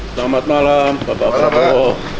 selamat malam bapak prabowo